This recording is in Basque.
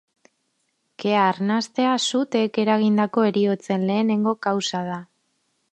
Kea-arnastea suteek eragindako heriotzen lehenengo kausa da.